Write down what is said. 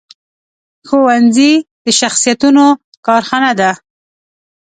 ښوونځی د شخصیتونو کارخانه ده